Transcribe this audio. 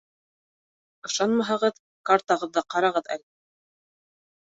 Ышанмаһағыҙ, картағыҙҙы ҡарағыҙ әле.